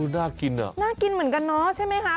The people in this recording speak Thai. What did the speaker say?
น่ากินอ่ะน่ากินเหมือนกันเนาะใช่ไหมคะ